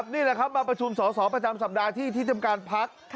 นี่แหละครับมาประชุมสอสอประจำสัปดาห์ที่ที่ทำการพัก